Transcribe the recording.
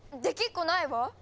できっこないわ。